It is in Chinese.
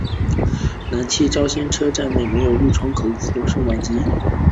南气仙沼车站内设有绿窗口与自动售票机。